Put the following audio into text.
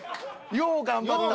「よう頑張った。